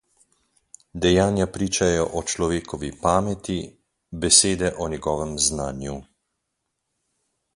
Dejanja pričajo o človekovi pameti, besede o njegovem znanju.